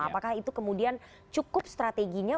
apakah itu kemudian cukup strateginya